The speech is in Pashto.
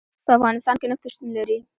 په افغانستان کې نفت شتون لري.